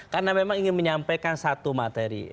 karena memang ingin menyampaikan satu materi